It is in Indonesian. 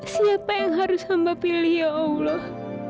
siapa yang harus hamba pilih ya allah